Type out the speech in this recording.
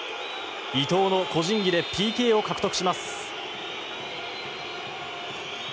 伊東の個人技でＰＫを獲得します。